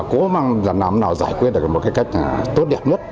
cố mong là làm nào giải quyết được một cái cách tốt đẹp nhất